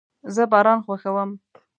زه باران خوښوم